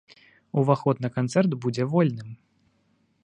Уваход на канцэрт будзе вольным.